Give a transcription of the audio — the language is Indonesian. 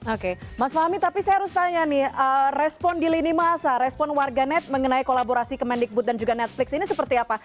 oke mas fahmi tapi saya harus tanya nih respon di lini masa respon warga net mengenai kolaborasi kemendikbud dan juga netflix ini seperti apa